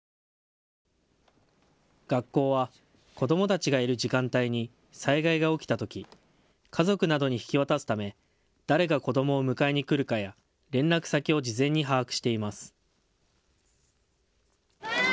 学校は子どもたちがいる時間帯に災害が起きたとき家族などに引き渡すため誰が子どもを迎えに来るかや連絡先を事前に把握しています。